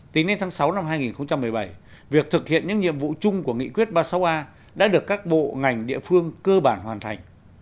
tính đến tháng sáu năm hai nghìn một mươi bảy việc thực hiện những nhiệm vụ chung của nghị quyết ba mươi sáu a đã được các bộ ngành địa phương cơ bản hoàn thành